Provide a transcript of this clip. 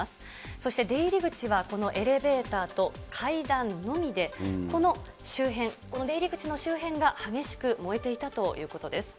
そして出入り口はこのエレベーターと階段のみで、この周辺、この出入り口の周辺が激しく燃えていたということです。